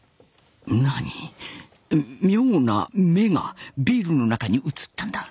何妙な眼がビールの中に映ったんだ。